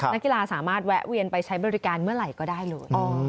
นักกีฬาสามารถแวะเวียนไปใช้บริการเมื่อไหร่ก็ได้เลย